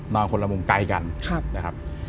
นอนคนละมุมไกลกันนะครับ